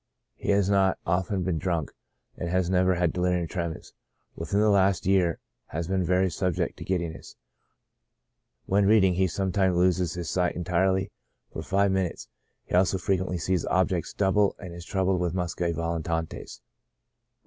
He has not often been drunk, and never had delirium tremens. Within the last year has been very subject to giddiness : when reading he sometimes loses his sight entirely for five f TREATMENT. II9 minutes ; he also frequently sees objects double, and is troubled with muscae volitantes.